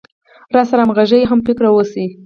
راسره همغږى او هم فکره اوسي.